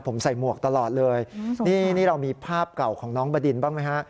ผมใส่หมวกตลอดเลยนี่เรามีภาพเก่าของน้องบดินบ้างไหมฮะ